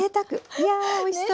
いやおいしそう。